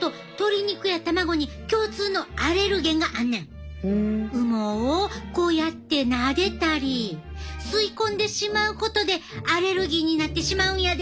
これも同様で羽毛をこうやってなでたり吸い込んでしまうことでアレルギーになってしまうんやで。